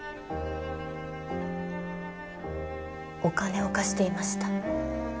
お金を貸していました。